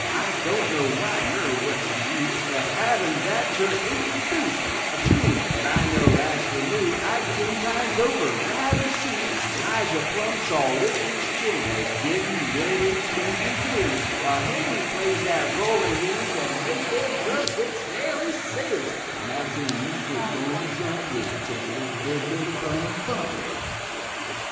I don't know why, ner what's the use O' havin' that to interduce A tune but I know, as fer me I'd ten times over ruther see Elijah Plumb chaw with his chin, A gettin' ready to begin, While Henry plays that roll o' his An' makes them drumsticks fairly sizz, Announcin' music, on th' drum, With "Tiddle iddle iddle iddle Bum Bum!"